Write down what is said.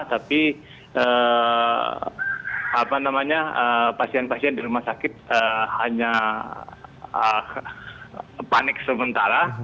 tapi pasien pasien di rumah sakit hanya panik sementara